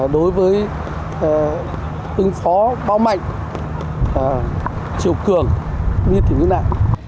đối với ứng phó bão mạnh triệu cường như thế này